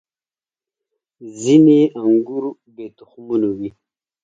• ځینې انګور بې تخمونو وي.